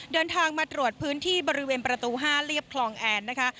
เดินทางมาตรวจพื้นที่บริเวณประตู๕เรียบคลองแอนนะคะ